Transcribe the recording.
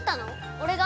俺が？